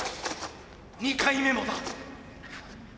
２回目もだ。